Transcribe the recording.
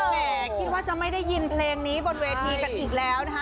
แหมคิดว่าจะไม่ได้ยินเพลงนี้บนเวทีกันอีกแล้วนะคะ